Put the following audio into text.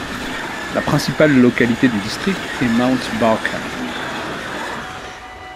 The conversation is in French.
La principale localité du district est Mount Barker.